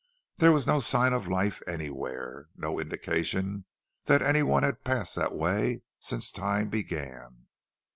There was no sign of life anywhere, no indication that any one had passed that way since time began.